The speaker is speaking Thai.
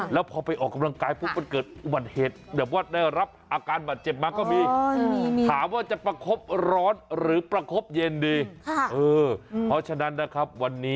แล้วพอไปออกกำลังกายปุ๊บมันเกิดอุบันเหตุเดี๋ยวว่าได้รับอาการหมดเจ็บ